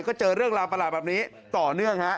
ก็เจอเรื่องราวประหลาดแบบนี้ต่อเนื่องฮะ